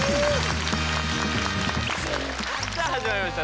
さあ始まりました